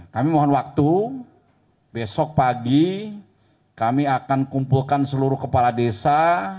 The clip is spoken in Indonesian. kami mohon waktu besok pagi kami akan kumpulkan seluruh kepala desa